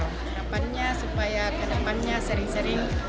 kehadapannya supaya kehadapannya sering sering